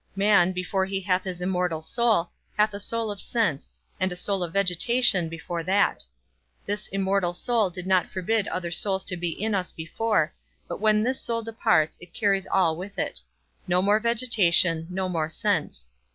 Man, before he hath his immortal soul, hath a soul of sense, and a soul of vegetation before that: this immortal soul did not forbid other souls to be in us before, but when this soul departs, it carries all with it; no more vegetation, no more sense.